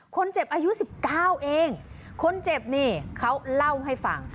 คนเจ็บอายุ๑๙เองคนเจ็บนี่เขาเล่าให้ฟัง